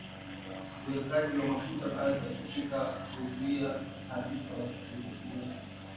Uwekaji wa mafuta baada ya kupika huzuia kuharibika kwa virutubishi